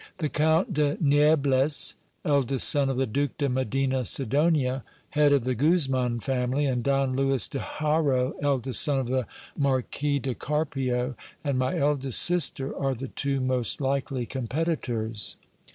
The Count de Niebles, eldest son of the Duke de Medina Sidonia, head of the Guzman family, and Don Lewis de Haro, eldest son of the Mar quis de Carpio and my eldest sister, are the two most likely competitors.